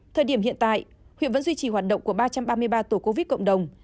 thời điểm hiện tại huyện vẫn duy trì hoạt động của ba trăm ba mươi ba tổ covid cộng đồng